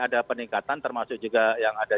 ada peningkatan termasuk juga yang ada